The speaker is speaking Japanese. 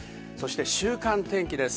週間天気です。